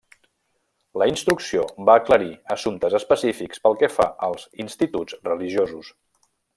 La instrucció va aclarir assumptes específics pel que fa als instituts religiosos.